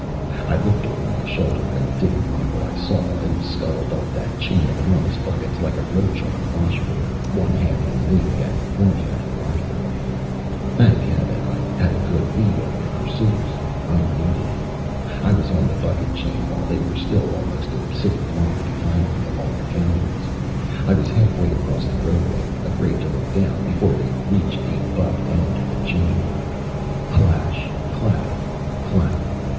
I looked over my shoulder, and didn't like what I saw, and scuttled up that chain of enormous buckets like a roach on a washboard, one hand for me and one hand for Arthur. Thank heaven, I had a good lead on my pursuers I needed it. I was on the bucket chain while they were still almost a city block behind me, along the galleries. I was halfway across the roadway, afraid to look down, before they reached the butt end of the chain. Clash clatter. _Clank!